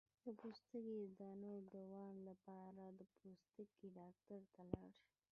د پوستکي د دانو د دوام لپاره د پوستکي ډاکټر ته لاړ شئ